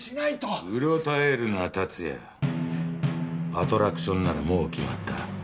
アトラクションならもう決まった。